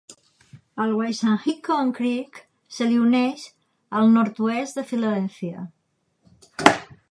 El Wissahickon Creek se li uneix al nord-oest de Filadèlfia.